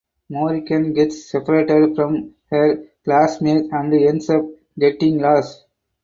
Morrigan gets separated from her classmates and ends up getting lost.